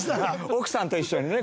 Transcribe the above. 奥さんと一緒にね